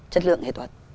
chất lượng hay toàn